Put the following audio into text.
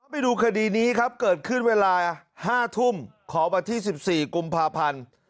ไปดูคดีนี้ครับเกิดขึ้นเวลา๕ทุ่มของวันที่๑๔กุมภาพันธ์